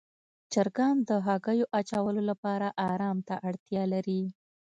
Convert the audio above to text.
چرګان د هګیو اچولو لپاره آرام ته اړتیا لري.